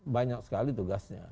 banyak sekali tugasnya